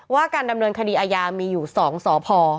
การดำเนินคดีอายามีอยู่๒สพ